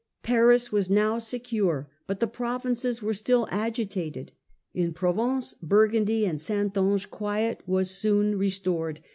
1653. Paris was now secure ; but the provinces were still agitated. In Provence, Burgundy, and Saintonge quiet was soon restored.